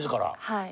はい。